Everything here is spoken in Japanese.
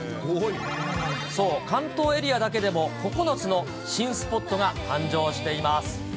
そう、関東エリアだけでも９つの新スポットが誕生しています。